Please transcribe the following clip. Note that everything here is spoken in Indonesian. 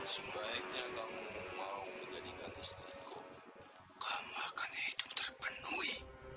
sebaiknya kamu mau menjadikan istriku kamu akan hidup terpenuhi